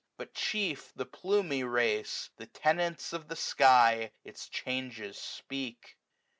But chief the plumy race, The tenants of the sky, its changes speak.